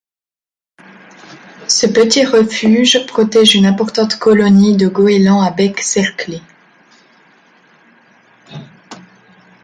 Ce petit refuge protège une importante colonie de Goélands à bec cerclé.